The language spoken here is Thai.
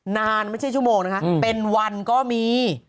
นานไม่ใช่ชั่วโมงนะคะเป็นวันก็มี